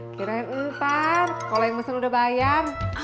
kirain ntar kalo yang mesen udah bayar